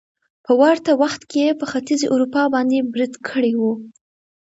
په ورته وخت کې يې په ختيځې اروپا باندې بريد کړی وو